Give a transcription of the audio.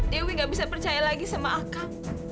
dewi gak bisa percaya lagi sama akang